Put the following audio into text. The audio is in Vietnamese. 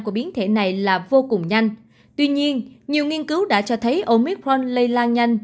của biến thể này là vô cùng nhanh tuy nhiên nhiều nghiên cứu đã cho thấy omitront lây lan nhanh